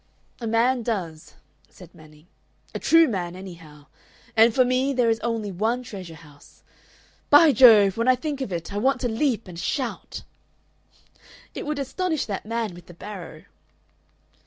"A man does," said Manning "a true man, anyhow. And for me there is only one treasure house. By Jove! When I think of it I want to leap and shout!" "It would astonish that man with the barrow."